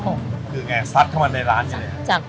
คือไงสัดเข้ามาในร้านนี่